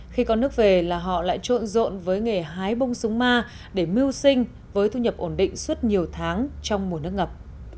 khi có nước về là họ lại trộn rộn với nghề hái bông súng ma để mưu sinh với thu nhập ổn định suốt nhiều tháng trong mùa nước ngập